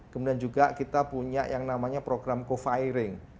kemudian juga kita punya yang namanya program co firing